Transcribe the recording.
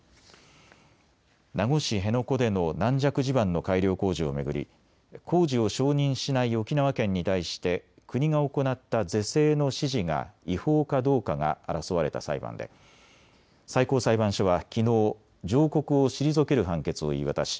名護市辺野古での軟弱地盤の改良工事を巡り工事を承認しない沖縄県に対して国が行った是正の指示が違法かどうかが争われた裁判で最高裁判所はきのう上告を退ける判決を言い渡し